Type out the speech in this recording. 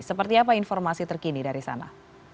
seperti apa informasi terkini dari sana